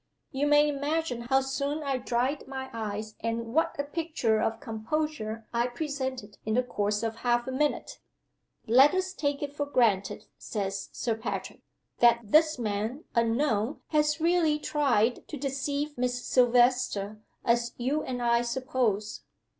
You may imagine how soon I dried my eyes, and what a picture of composure I presented in the course of half a minute. 'Let us take it for granted,' says Sir Patrick, 'that this man unknown has really tried to deceive Miss Silvester, as you and I suppose.